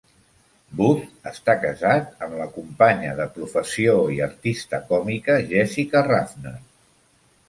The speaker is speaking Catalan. Booth està casat amb la companya de professió i artista còmica Jessica Ruffner.